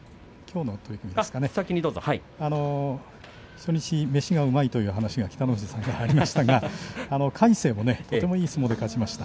初日、飯がうまいという北の富士さんからの話がありましたけども魁聖もいい相撲で勝ちました。